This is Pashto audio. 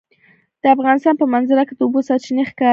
د افغانستان په منظره کې د اوبو سرچینې ښکاره ده.